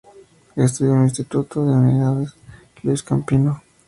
Estudió en el Instituto de Humanidades Luis Campino.